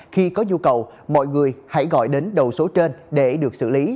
khi có nhu cầu mọi người hãy gọi đến đầu số trên để được xử lý